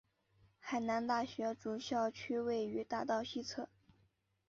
海南大学主校区位于大道西侧。